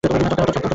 বিনয় চমকিয়া উঠিল।